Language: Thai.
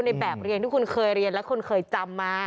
ในแบบเรียนที่คุณเคยเรียนและคุณเคยจำมา